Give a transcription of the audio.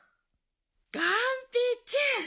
がんぺーちゃん